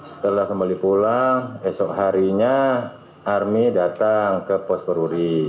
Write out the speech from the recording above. setelah kembali pulang esok harinya army datang ke pos peruri